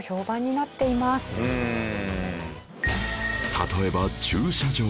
例えば駐車場